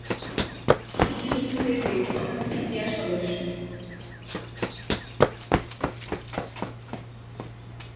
মুক্তিযোদ্ধাদের বেশির ভাগ ইপিআর সদস্য।